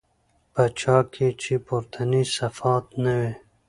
په چا كي چي پورتني صفات نه وي